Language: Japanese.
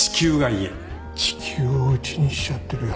地球をうちにしちゃってるよ。